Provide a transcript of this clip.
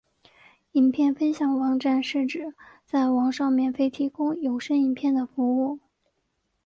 影片分享网站是指在网上免费提供有声影片的服务。